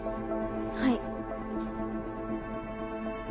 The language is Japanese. はい。